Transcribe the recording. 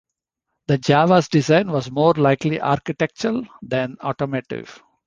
The Java's design was more likely architectural than automotive.